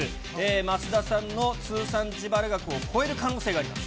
増田さんの通算自腹額を超える可能性があります。